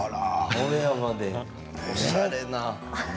おしゃれな。